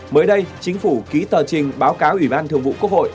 mới đây chính phủ ký tờ trình báo cáo ủy ban thường vụ quốc hội